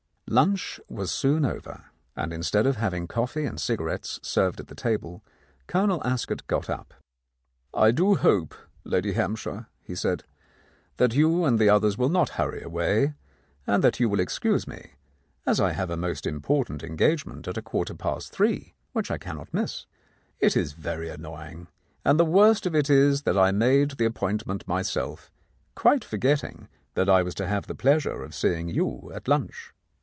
Lunch was soon over, and instead of having coffee and cigarettes served at the table, Colonel Ascot got up. "I do hope, Lady Hampshire," he said, "that you and the others will not hurry away, and that you will excuse me, as I have a most important engage ment at a quarter past three, which I cannot miss. It is very annoying, and the worst of it is that I made the appointment myself, quite forgetting that I was to have the pleasure of seeing you at lunch."